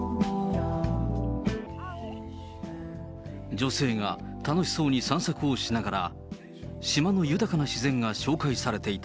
女性が楽しそうに散策をしながら、島の豊かな自然が紹介されていた。